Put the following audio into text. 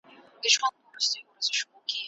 ایران امیرخان متقي ته د سفر بلنه ورکړه.